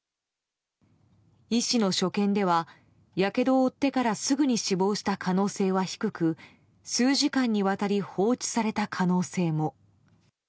医師の所見ではやけどを負ってからすぐに死亡した可能性は低く数時間にわたり放置された可能性も。